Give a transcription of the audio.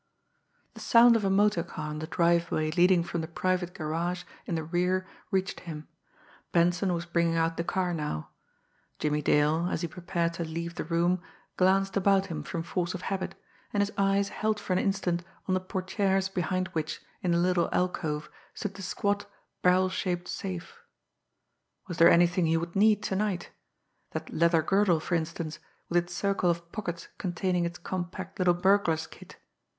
The sound of a motor car on the driveway leading from the private garage in the rear reached him. Benson was bringing out the car now. Jimmie Dale, as he prepared to leave the room, glanced about him from force of habit, and his eyes held for an instant on the portières behind which, in the little alcove, stood the squat, barrel shaped safe. Was there anything he would need to night that leather girdle, for instance, with its circle of pockets containing its compact little burglar's kit?